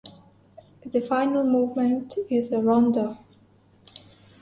The final movement is a "rondo".